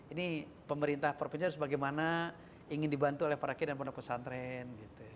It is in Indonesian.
ini pemerintah provinsi harus bagaimana ingin dibantu oleh para kiai dan pondok pesantren